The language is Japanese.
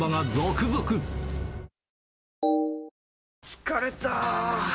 疲れた！